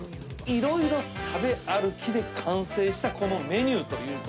色々食べ歩きで完成したこのメニューと。